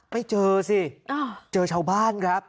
ไปเจอสิเจอชาวบ้านครับ